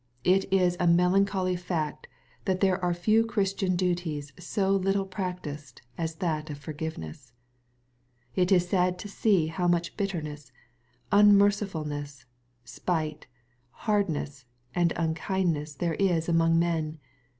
It is a melancholv fact that there are few Christian duties 80 little practised as that of forgiveness. It is sad to see howmuchbitterness, unmercifulness, spite, hardness, and unkindness there is among men.